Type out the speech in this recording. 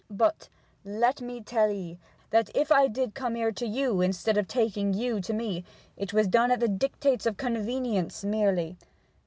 But let me tell 'ee that if I did come here to you instead of taking you to me, it was done at the dictates of convenience merely.